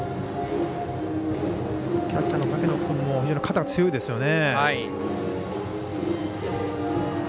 キャッチャーの竹野君も肩、強いですよね。